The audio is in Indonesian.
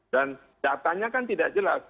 dan datanya kan tidak jelas